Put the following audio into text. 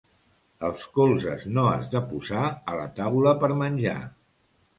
Els colzes no has de posar a la taula per menjar.